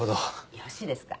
よろしいですか？